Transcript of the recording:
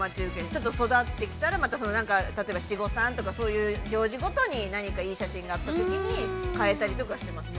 ちょっと育ってきたら例えば、七五三とかそういう行事ごとに何かいい写真があったときに変えたりとかはしてます。